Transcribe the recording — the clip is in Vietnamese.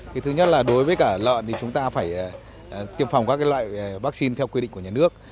cái thứ nhất là đối với cả lợn thì chúng ta phải tiêm phòng các loại vaccine theo quy định của nhà nước